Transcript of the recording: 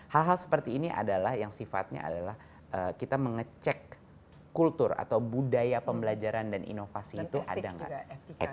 hal hal seperti ini adalah yang sifatnya adalah kita mengecek kultur atau budaya pembelajaran dan inovasi itu ada nggak